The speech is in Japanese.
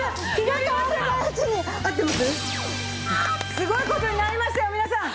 すごい事になりましたよ皆さん！